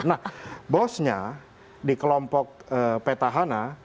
nah bosnya di kelompok petahana